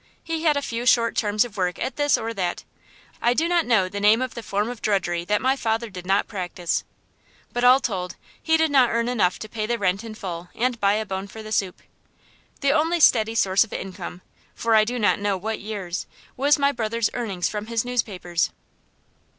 He had a few short terms of work at this or that; I do not know the name of the form of drudgery that my father did not practise. But all told, he did not earn enough to pay the rent in full and buy a bone for the soup. The only steady source of income, for I do not know what years, was my brother's earnings from his newspapers.